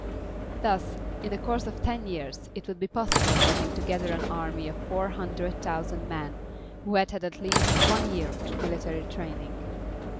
Thus, in the course of ten years, it would be possible for him to gather an army of four hundred thousand men who had had at least one year of military training.